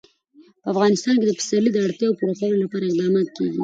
په افغانستان کې د پسرلی د اړتیاوو پوره کولو لپاره اقدامات کېږي.